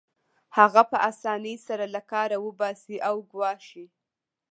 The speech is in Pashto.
هغه په اسانۍ سره له کاره وباسي او ګواښي